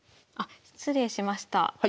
あっ失礼しました。